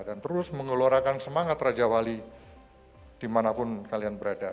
dan terus mengelorakan semangat raja wali dimanapun kalian berada